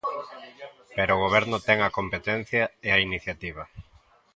Pero o goberno ten a competencia e a iniciativa.